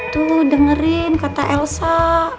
tuh dengerin kata elsa